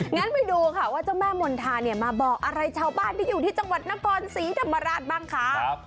งั้นไปดูค่ะว่าเจ้าแม่มณฑาเนี่ยมาบอกอะไรชาวบ้านที่อยู่ที่จังหวัดนครศรีธรรมราชบ้างคะ